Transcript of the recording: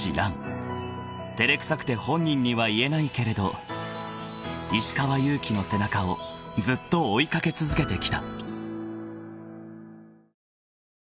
［照れくさくて本人には言えないけれど石川祐希の背中をずっと追い掛け続けてきた］